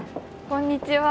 こんにちは。